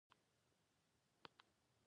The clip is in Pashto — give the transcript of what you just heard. زیاته توجه د سرحد ستونزې ته اوښتې ده.